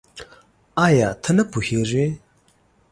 آيا ته نه پوهېږې؟